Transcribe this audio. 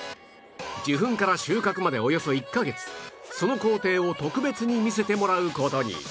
受粉から収穫までおよそ１カ月その工程を特別に見せてもらう事に